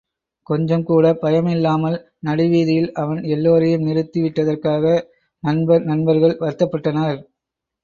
கொஞ்சம் கூடப் பயமில்லாமல் நடு வீதியில் அவன் எல்லோரையும் நிறுத்தி விட்டதற்காக நண்பர் நண்பர்கள் வருத்தப்பட்டனர்.